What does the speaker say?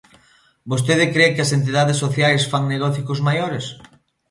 ¿Vostede cre que as entidades sociais fan negocio cos maiores?